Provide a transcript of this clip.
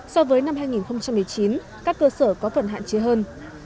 so với năm hai nghìn một mươi chín các cơ sở có phần hạn chế hơn